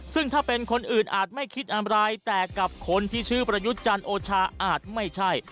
ซึ่งถ้าเป็นคนอื่นอาจไม่คิดอะไรแต่กับคนที่ชื่อประยุทธ์จันทร์โอชาอาจไม่ใช่